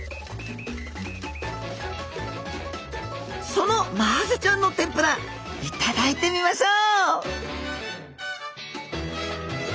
そのマハゼちゃんの天ぷら頂いてみましょう！